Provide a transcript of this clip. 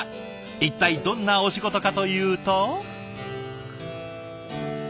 一体どんなお仕事かというと？